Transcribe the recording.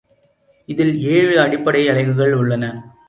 இதில் ஏழு அடிப்படை அலகுகள் உள்ளன.